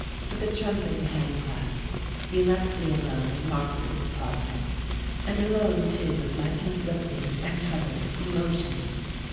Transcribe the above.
With a trembling handclasp he left me alone in Marguerite's apartment. And alone too with my conflicting and troubled emotions.